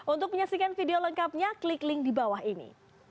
untuk menyaksikan video lengkapnya klik link di bawah ini